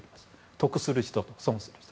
得する人と損する人。